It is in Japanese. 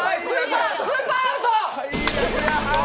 スーパーアウト！